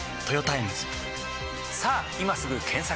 さぁ今すぐ検索！